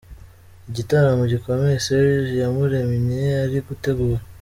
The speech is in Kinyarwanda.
Igitaramo gikomeye Serge Iyamuremye ari gutegura.